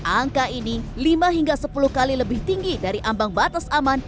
angka ini lima hingga sepuluh kali lebih tinggi dari ambang batas aman